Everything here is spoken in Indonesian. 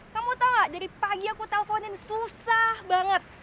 kamu tau gak dari pagi aku telponin susah banget